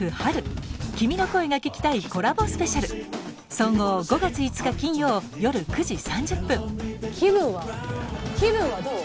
総合５月５日金曜夜９時３０分気分はどう？